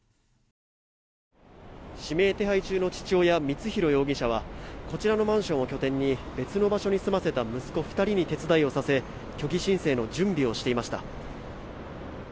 指名手配中の父親光弘容疑者はこちらのマンションを拠点に別の場所に住ませた息子２人に手伝いをさせ虚偽申請の準備をしていました。